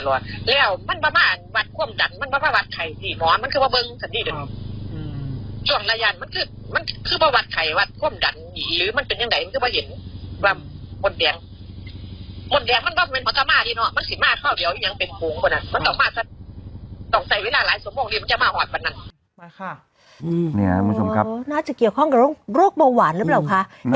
เห็นบอกว่ามีอะไรขึ้นหน้าเหรอครับคุณหนุ่ม